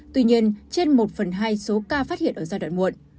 tuy nhiên trên một phần hai số ca phát hiện ở giai đoạn muộn